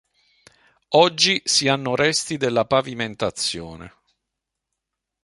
Oggi si hanno resti della pavimentazione.